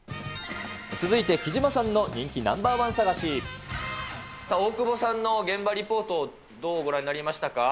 続いて貴島さんの人気ナンバさあ、大久保さんの現場リポート、どうご覧になりましたか。